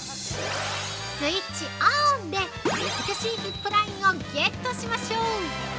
スイッチオンで美しいヒップラインをゲットしましょう！